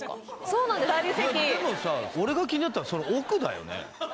でもさ俺が気になったのはその奥だよね